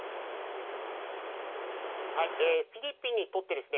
フィリピンにとってですね